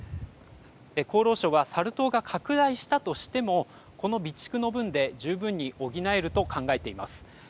厚労省はサル痘が拡大したとしてもこの備蓄の分で十分に補えると考えています。